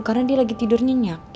karena dia lagi tidur nyenyak